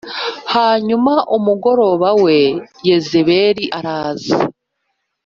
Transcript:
Hanyuma umugore we Yezebeli araza